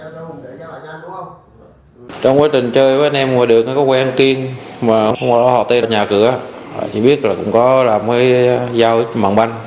trong quá trình chơi với anh em ngoài đường có quen kiên mà không có họ tên ở nhà cửa chỉ biết là cũng có làm với giao ít mạng bánh